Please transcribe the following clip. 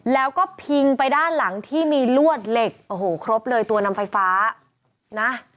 แล้วก็พิงไปด้านหลังที่มีลวดเหล็กโอ้โหครบเลยตัวนำไฟฟ้านะ